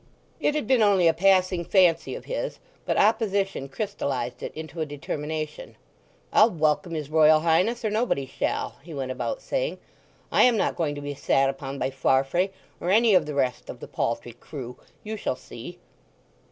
It had been only a passing fancy of his, but opposition crystallized it into a determination. "I'll welcome his Royal Highness, or nobody shall!" he went about saying. "I am not going to be sat upon by Farfrae, or any of the rest of the paltry crew! You shall see."